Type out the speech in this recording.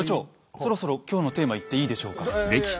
そろそろ今日のテーマいっていいでしょうか？